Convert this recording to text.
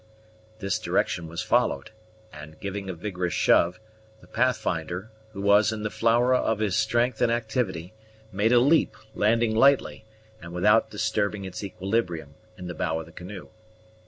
This direction was followed; and, giving a vigorous shove, the Pathfinder, who was in the flower of his strength and activity, made a leap, landing lightly, and without disturbing its equilibrium, in the bow of the canoe.